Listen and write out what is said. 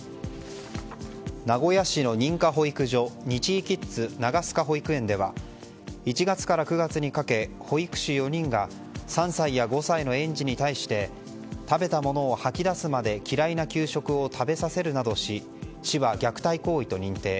名古屋市の認可保育所ニチイキッズ長須賀保育園では１月から９月にかけ保育士４人が３歳や５歳の園児に対して食べたものを吐き出すまで嫌いな給食を食べさせるなどし市は虐待行為と認定。